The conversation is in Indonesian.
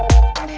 kau mau kemana